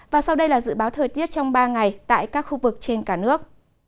và sau đây là dự báo thời tiết trong ba ngày tại các khu vực trên cả nước